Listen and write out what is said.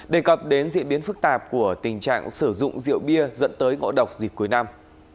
đề cập đến diễn biến phức tạp của tình trạng sử dụng rượu bia dẫn tới ngộ độc dịp cuối năm